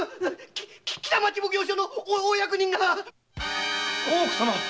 北町奉行所のお役人が！